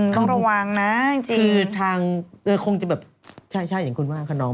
ต้องระวังนะจริงคือทางคงจะแบบใช่อย่างคุณว่าขนอง